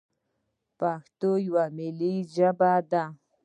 پښتو یوه ملي ژبه ده.